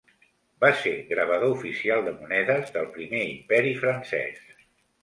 Va ser gravador oficial de monedes del Primer Imperi francès.